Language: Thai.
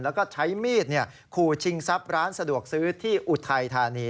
แล้วก็ใช้มีดขู่ชิงทรัพย์ร้านสะดวกซื้อที่อุทัยธานี